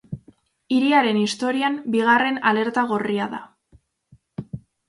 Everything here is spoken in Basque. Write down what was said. Hiriaren historian bigarren alerta gorria da.